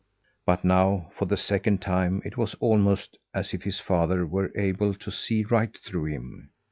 But now, for the second time, it was almost as if his father were able to see right through him.